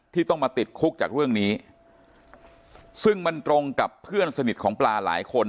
ต้องมาติดคุกจากเรื่องนี้ซึ่งมันตรงกับเพื่อนสนิทของปลาหลายคน